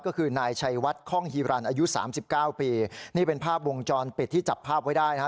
ก็คือนายชัยวัดคล่องฮีรันอายุสามสิบเก้าปีนี่เป็นภาพวงจรปิดที่จับภาพไว้ได้นะฮะ